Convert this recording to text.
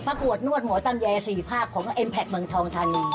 กวดนวดหมอตำแย๔ภาคของเอ็มแพคเมืองทองทานี